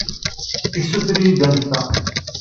Yessuter-iyi-d ad neffeɣ.